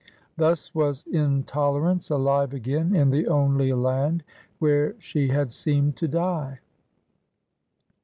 " Thus was intolerance alive again in the only land where she had seemed to die!